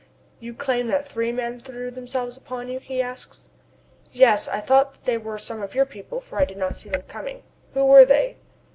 "You claim that three men threw themselves upon you?" he asks. "Yes. I thought they were some of your people, for I did not see them coming. Who were they?"